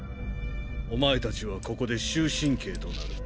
お前たちはここで終身刑となる。